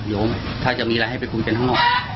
โยมถ้าจะมีอะไรให้ไปคุยกันข้างนอก